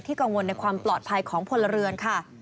กังวลในความปลอดภัยของพลเรือนค่ะ